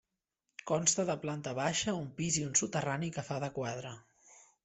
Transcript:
Consta de planta baixa, un pis i un soterrani que fa de quadra.